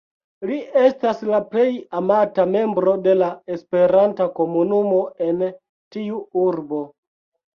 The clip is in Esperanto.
Li estas la plej amata membro de la esperanta komunumo en tiu urbo.